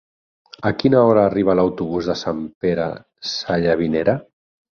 A quina hora arriba l'autobús de Sant Pere Sallavinera?